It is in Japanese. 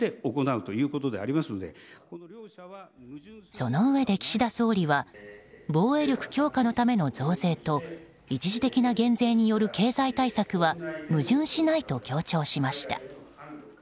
そのうえで、岸田総理は防衛力強化のための増税と一時的な減税による経済対策は矛盾しないと強調しました。